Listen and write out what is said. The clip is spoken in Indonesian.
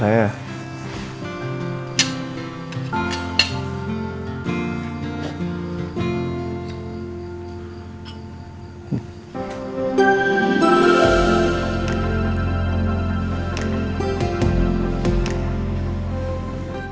ya udah sini sini